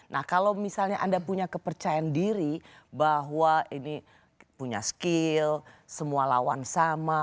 nah kalau misalnya anda punya kepercayaan diri bahwa ini punya skill semua lawan sama